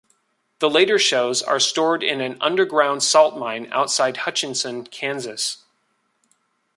The later shows are stored in an underground salt mine outside Hutchinson, Kansas.